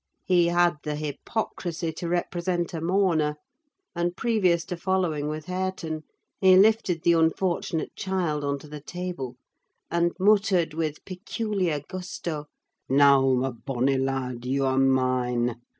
He had the hypocrisy to represent a mourner: and previous to following with Hareton, he lifted the unfortunate child on to the table and muttered, with peculiar gusto, "Now, my bonny lad, you are mine!